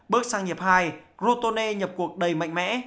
bước sang nghiệp hai crotone nhập cuộc đầy mạnh mẽ